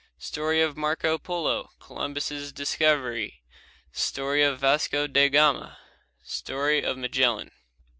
Story of Marco Polo. Columbus' discovery. Story of Vasco da Gama. Story of Magellan.